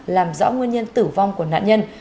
làm rõ nguyên nhân tử vong của nạn nhân